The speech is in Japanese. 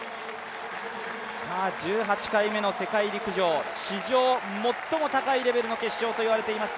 １８回目の世界陸上、史上最も高いレベルの決勝と言われております